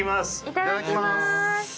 いただきます。